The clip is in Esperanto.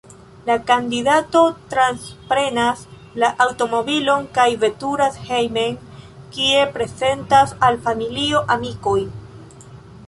La kandidato transprenas la aŭtomobilon kaj veturas hejmen, kie prezentas al familio, amikoj.